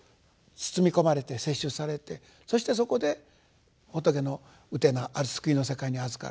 包み込まれて摂取されてそしてそこで仏の台救いの世界にあずかると。